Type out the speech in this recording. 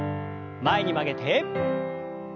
前に曲げて。